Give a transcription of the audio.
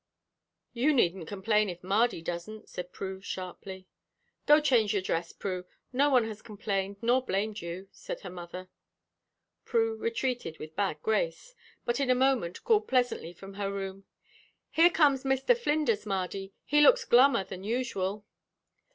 "You needn't complain if Mardy doesn't," said Prue, sharply. "Go change your dress, Prue; no one has complained nor blamed you," said her mother. Prue retreated with bad grace, but in a moment called pleasantly from her room: "Here comes Mr. Flinders, Mardy. He looks glummer than usual."